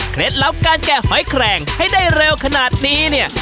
ลับการแกะหอยแคลงให้ได้เร็วขนาดนี้เนี่ย